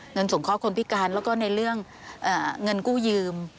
สงเคราะห์คนพิการแล้วก็ในเรื่องเงินกู้ยืม